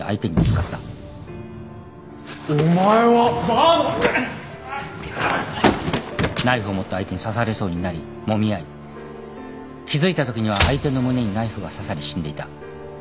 お前はバーのナイフを持った相手に刺されそうになりもみ合い気付いたときには相手の胸にナイフが刺さり死んでいた。